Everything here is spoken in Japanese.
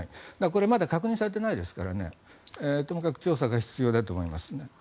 これ、まだ確認されていないですからともかく調査が必要だと思いますね。